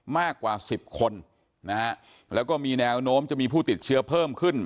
มากกว่าสิบคนนะฮะแล้วก็มีแนวโน้มจะมีผู้ติดเชื้อเพิ่มขึ้น